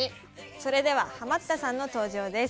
それではハマったさんの登場です。